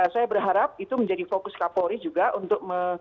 saya berharap itu menjadi fokus kapolri juga untuk